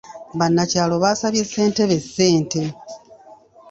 Bannakyalo baasabye ssentebe ssente